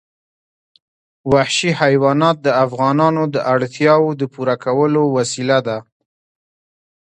وحشي حیوانات د افغانانو د اړتیاوو د پوره کولو وسیله ده.